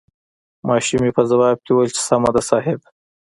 ماشومې په ځواب کې وويل چې سمه ده صاحب.